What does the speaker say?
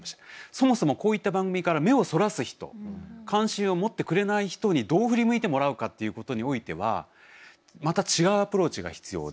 そもそもこういった番組から目をそらす人関心を持ってくれない人にどう振り向いてもらうかっていうことにおいてはまた違うアプローチが必要で。